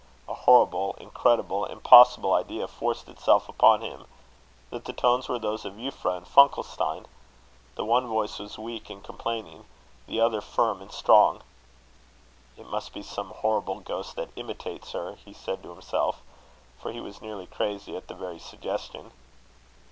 A horrible, incredible, impossible idea forced itself upon him that the tones were those of Euphra and Funkelstein. The one voice was weak and complaining; the other firm and strong. "It must be some horrible ghost that imitates her," he said to himself; for he was nearly crazy at the very suggestion.